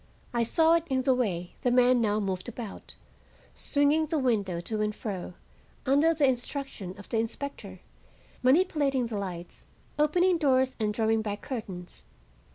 I saw it in the way the men now moved about, swinging the window to and fro, under the instruction of the inspector, manipulating the lights, opening doors and drawing back curtains.